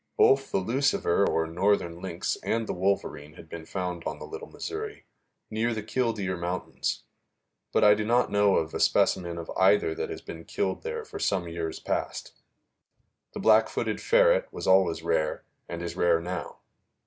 Both the luciver, or northern lynx, and the wolverine have been found on the Little Missouri, near the Kildeer Mountains, but I do not know of a specimen of either that has been killed there for some years past. The blackfooted ferret was always rare, and is rare now.